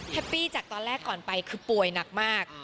ปี้จากตอนแรกก่อนไปคือป่วยหนักมาก